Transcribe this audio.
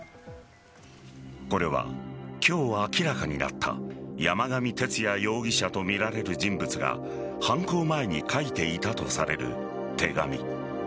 これは今日明らかになった山上徹也容疑者とみられる人物が犯行前に書いていたとされる手紙。